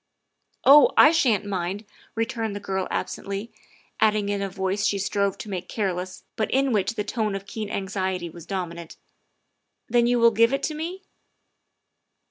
" Oh, I sha'n't mind," returned the girl absently, adding in a voice she strove to make careless but in which the note of keen anxiety was dominant, '' then you will give it to me?"